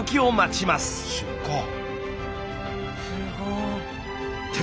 すごい。